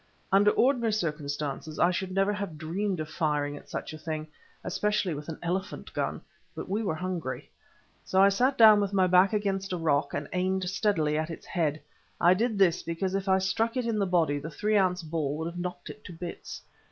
Under ordinary circumstances I should never have dreamed of firing at such a thing, especially with an elephant gun, but we were hungry. So I sat down with my back against a rock, and aimed steadily at its head. I did this because if I struck it in the body the three ounce ball would have knocked it to bits.